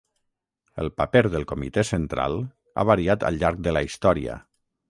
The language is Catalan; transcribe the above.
El paper del Comitè Central ha variat al llarg de la història.